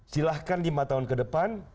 silahkan lima tahun ke depan